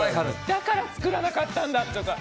だから作らなかったんだとか。